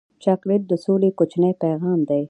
چاکلېټ د سولې کوچنی پیغام دی.